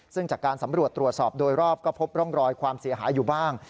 ซึ่งจากการสำรวจตรวจสอบโดยรอบก็พบร่องรอยความเสียหายอยู่บ้าง